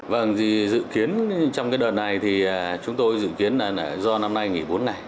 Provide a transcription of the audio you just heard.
vâng dự kiến trong đợt này chúng tôi dự kiến do năm nay nghỉ bốn ngày